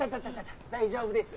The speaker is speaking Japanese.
大丈夫です。